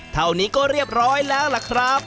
เท่านี้ก็เรียบร้อยแล้วล่ะครับ